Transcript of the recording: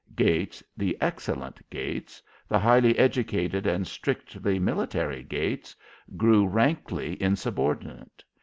Gates, the excellent Gates, the highly educated and strictly military Gates, grew rankly insubordinate.